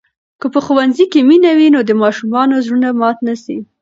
که په ښوونځي کې مینه وي، نو د ماشومانو زړونه مات نه سي.